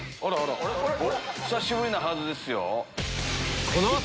久しぶりなはずですよ？